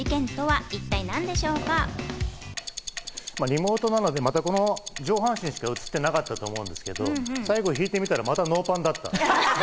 リモートなので上半身しか映っていなかったと思うんですけど、最後、引いてみたら、またノーパンだった。